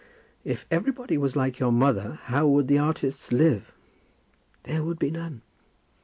"If everybody was like your mother, how would the artists live?" "There would be none."